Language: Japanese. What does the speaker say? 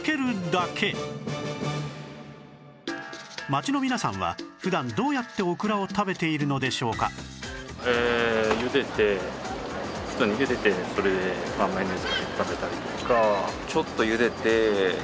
街の皆さんは普段どうやってオクラを食べているのでしょうか？とかだよね。